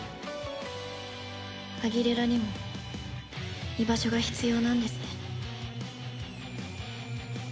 アギレラにも居場所が必要なんですね。